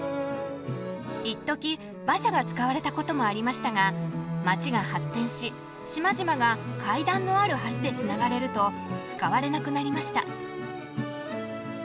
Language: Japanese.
いっとき馬車が使われたこともありましたが街が発展し島々が階段のある橋でつながれると使われなくなりました。